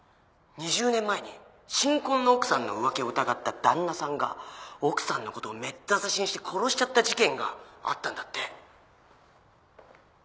２０年前に新婚の奥さんの浮気を疑った旦那さんが奥さんのことをめった刺しにして殺しちゃった事件があったんだって。